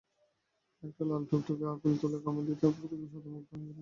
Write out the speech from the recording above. একটা লাল টুকটুকে আপেল তুলে কামড় দিতেই অপূর্ব স্বাদে মুগ্ধ হয়ে গেলাম।